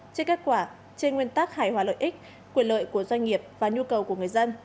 trên kết quả trên nguyên tắc hài hòa lợi ích quyền lợi của doanh nghiệp và nhu cầu của người dân